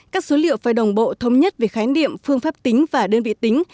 các số liệu phải đồng bộ thống nhất về khái niệm phương pháp tính và đơn vị tính